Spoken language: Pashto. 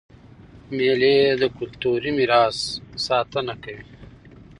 مېلې د کلتوري میراث ساتنه کوي.